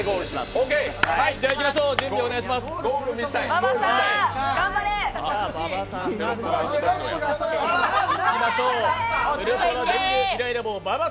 準備をお願いします。